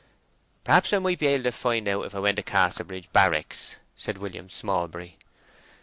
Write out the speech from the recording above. "Perhaps I might be able to find out if I went to Casterbridge barracks," said William Smallbury.